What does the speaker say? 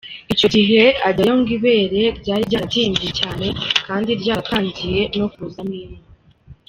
Icyo gihe ajyayo ngo ibere ryari ryarabyimbye cyane kandi ryaratangiye no kuzamo inyo.